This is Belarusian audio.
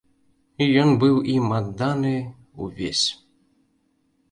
Ён быў ім адданы ўвесь.